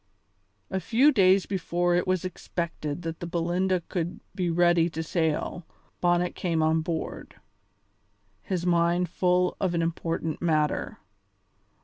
A few days before it was expected that the Belinda would be ready to sail Bonnet came on board, his mind full of an important matter.